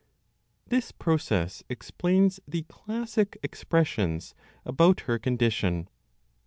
THIS PROCESS EXPLAINS THE CLASSIC EXPRESSIONS ABOUT HER CONDITION.